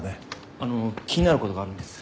あの気になることがあるんです。